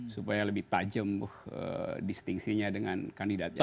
supaya lebih tajam distingsinya dengan kandidat yang lain